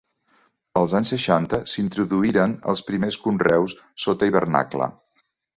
Als anys seixanta s'introduïren els primers conreus sota hivernacle.